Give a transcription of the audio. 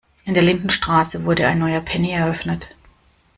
In der Lindenstraße wurde ein neuer Penny eröffnet.